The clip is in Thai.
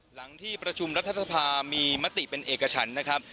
หลังที่ประชุมรัฐสภามีมติเป็นเอกฉันนะครับ